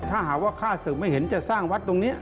ถ้าหากว่าค่าสืบไม่เห็นจะสร้างวัดตรงนี้